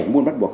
bảy môn bắt buộc